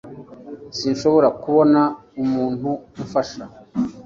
Sinshobora kubona umuntu umfasha